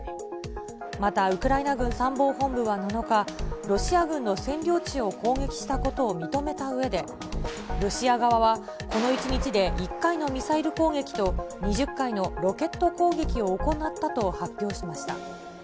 またウクライナ軍参謀本部は７日、ロシア軍の占領地を攻撃したことを認めたうえで、ロシア側はこの１日で１回のミサイル攻撃と２０回のロケット攻撃を行ったと発表しました。